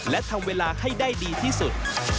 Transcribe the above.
และทำเวลาให้ได้ดีที่สุด